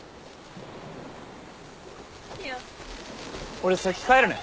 俺先帰るね。